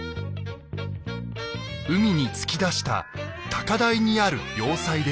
海に突き出した高台にある要塞でした。